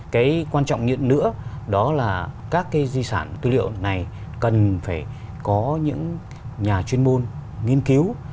cái quan trọng nhất nữa đó là các cái di sản tư liệu này cần phải có những nhà chuyên môn nghiên cứu